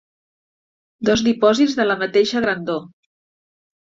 Dos dipòsits de la mateixa grandor.